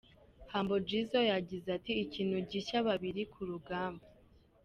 Humble Jizzo yagize ati”Ikintu gishya, babiri ku rugamba.